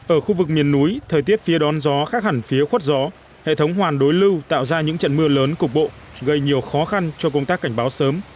ở khu vực miền núi thời tiết phía đón gió khác hẳn phía khuất gió hệ thống hoàn đối lưu tạo ra những trận mưa lớn cục bộ gây nhiều khó khăn cho công tác cảnh báo sớm